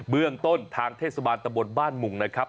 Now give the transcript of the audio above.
เมืองต้นทางเทศบาลตะบนบ้านมุงนะครับ